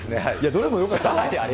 どれもよかった。